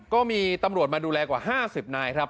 ก็มีตำรวจมาดูแลกว่า๕๐นายครับ